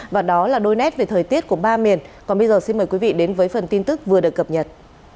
và đó là đôi nét về thời tiết của ba miền còn bây giờ xin mời quý vị đến với phần tin tức vừa được cập nhật